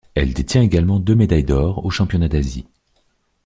Elle détient également deux médailles d'or aux championnats d'Asie.